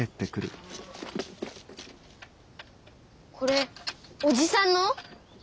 これおじさんの？